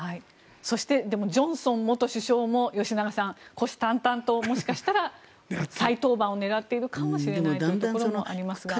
そしてジョンソン元首相も吉永さん、虎視眈々ともしかしたら再登板を狙っているかもしれないというところもありますが。